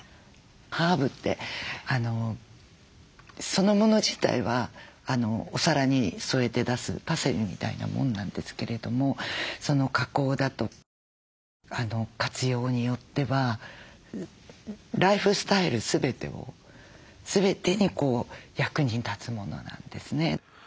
ハーブってそのもの自体はお皿に添えて出すパセリみたいなものなんですけれども加工だとか活用によってはライフスタイル全てを全てに役に立つものなんですね。